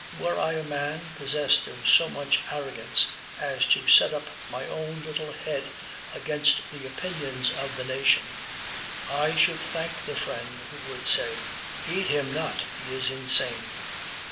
Were I a man possessed of so much arrogance as to set up my own little head against the opinions of the nation, I should thank the friend who would say, 'Heed him not, he is insane!'